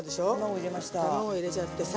卵入れちゃってさ。